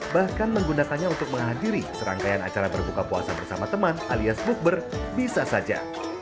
bahkan menggunakannya untuk menghadiri serangkaian acara berbuka puasa bersama teman alias bukber bisa saja